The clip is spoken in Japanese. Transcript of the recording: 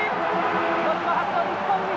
広島初の日本一！